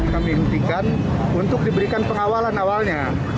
kami hentikan untuk diberikan pengawalan awalnya